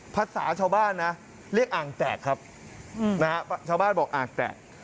ภาษาชาวบ้านนะเรียกอ่างแตกครับนะฮะชาวบ้านบอกอ่างแตก